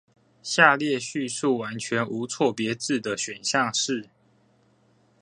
下列敘述完全無錯別字的選項是